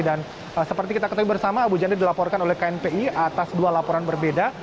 dan seperti kita ketahui bersama abu janda dilaporkan oleh knpi atas dua laporan berbeda